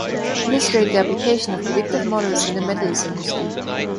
Illustrate the application of predictive models in the metals industry